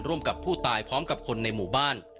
กับผู้ตายพร้อมกับคนในหมู่บ้าน